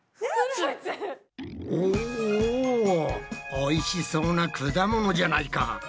おおおいしそうな果物じゃないか。